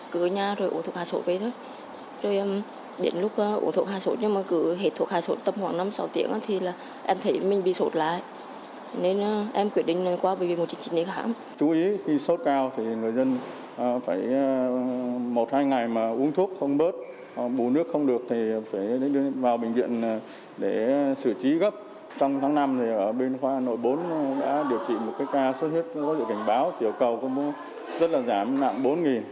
chí gấp trong tháng năm thì ở bên khoa hà nội bốn đã điều trị một cái ca sốt huyết có dự cảnh báo tiểu cầu có mức rất là giảm mạng bốn